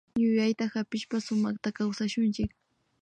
Yuyayta hapishpa sumakta kawsashunchik